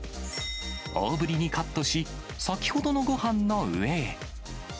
大ぶりにカットし、先ほどのごはんの上へ。